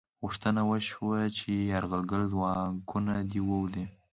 غوښتنه وشوه چې یرغلګر ځواکونه دې ووځي.